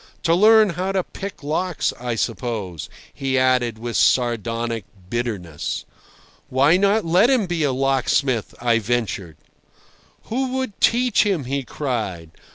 "To learn how to pick locks, I suppose," he added with sardonic bitterness. "Why not let him be a locksmith?" I ventured. "Who would teach him?" he cried.